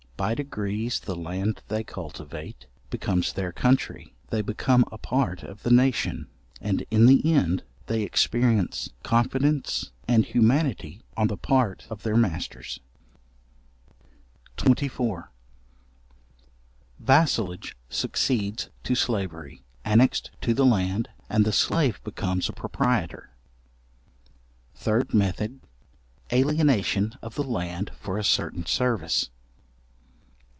By degrees the land they cultivate becomes their country, they become a part of the nation, and in the end, they experience confidence and humanity on the part of their masters. §24. Vassalage succeeds to slavery, annexed to the land, and the slave becomes a proprietor. Third method; alienation of the land for a certain service.